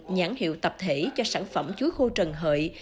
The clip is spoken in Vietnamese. nhãn hiệu tập thể cho sản phẩm chuối khô trần hợi